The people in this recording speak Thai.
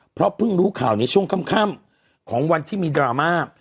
เพราะเพิ่งรู้ข่าวในช่วงค่ำของวันที่มีดราม่า